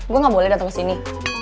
gue gak boleh dateng kesini